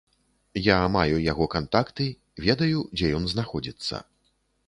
Я маю яго кантакты, ведаю, дзе ён знаходзіцца.